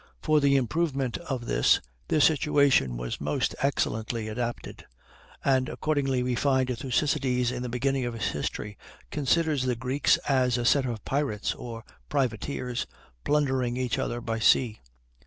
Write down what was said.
For the improvement of this, their situation was most excellently adapted; and accordingly we find Thucydides, in the beginning of his history, considers the Greeks as a set of pirates or privateers, plundering each other by sea.